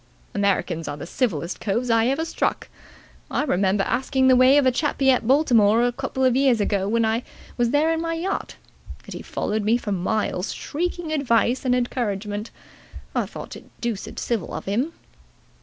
"Americans are the civillest coves I ever struck. I remember asking the way of a chappie at Baltimore a couple of years ago when I was there in my yacht, and he followed me for miles, shrieking advice and encouragement. I thought it deuced civil of him."